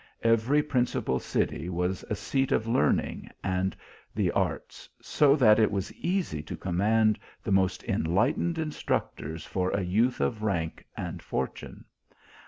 Every principal city was a seat of learning and the arts, so that it was easy to command the most enlightened instruct ors for a youth of rank and fortune.